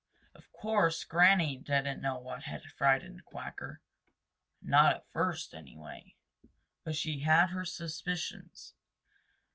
Of course, Granny didn't know what had frightened Quacker, not at first, anyway. But she had her suspicions.